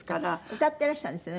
歌ってらしたんですってね？